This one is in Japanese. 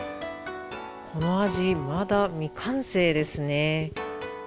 このアジ、まだ未完成ですね。